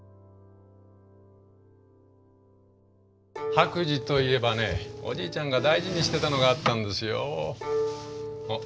白磁といえばねおじいちゃんが大事にしてたのがあったんですよ。